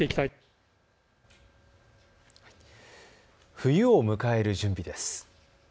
冬を迎える準備です。